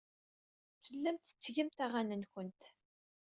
Tellamt tettgemt aɣan-nwent.